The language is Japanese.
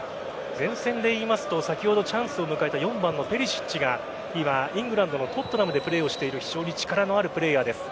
前線でいいますと先ほどチャンスを迎えた４番のペリシッチが今、イングランドのトットナムでプレーをしている非常に力のあるプレーヤーです。